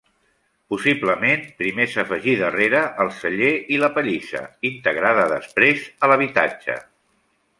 Possiblement, primer s'afegí, darrere, el celler i la pallissa, integrada després a l'habitatge.